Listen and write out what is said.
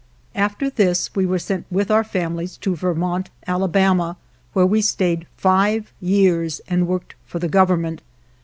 After this we were sent with our families to Vermont, Alabama, where we stayed five 177 GERONIMO years and worked for the Government.